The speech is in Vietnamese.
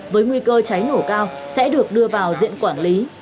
với nguy cơ cháy nổ cao sẽ được đưa vào diện quản lý